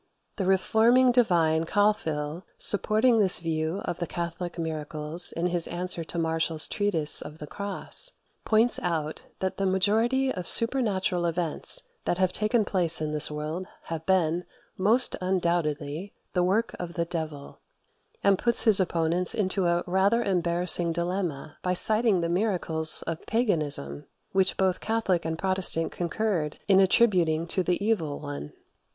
The reforming divine Calfhill, supporting this view of the Catholic miracles in his answer to Martiall's "Treatise of the Cross," points out that the majority of supernatural events that have taken place in this world have been, most undoubtedly, the work of the devil; and puts his opponents into a rather embarrassing dilemma by citing the miracles of paganism, which both Catholic and Protestant concurred in attributing to the evil one.